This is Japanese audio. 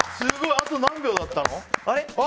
あと何秒だったの？